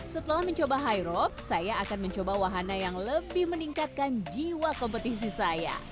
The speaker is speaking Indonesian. setelah mencoba high rob saya akan mencoba wahana yang lebih meningkatkan jiwa kompetisi saya